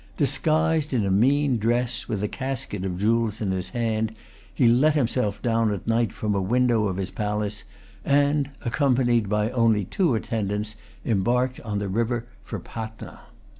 Disguised in a mean dress, with a casket of jewels in his hand, he let himself down at night from a window of his palace, and accompanied by only two attendants, embarked on the river for Patna.